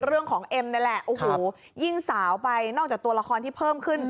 เอ็มนี่แหละโอ้โหยิ่งสาวไปนอกจากตัวละครที่เพิ่มขึ้น